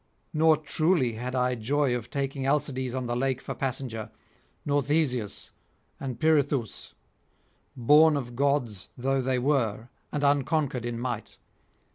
Nor truly had I joy of taking Alcides on the lake for passenger, nor Theseus and Pirithoüs, born of gods though they were and unconquered in might.